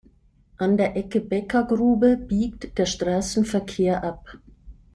An der Ecke Beckergrube biegt der Straßenverkehr ab.